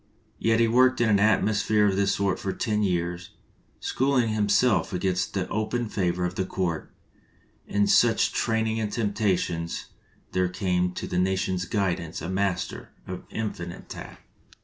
Yet he worked in an atmos phere of this sort for ten years, schooling him self against the open favor of the court; and of such training and temptations there came to the nation's guidance a master of infinite tact.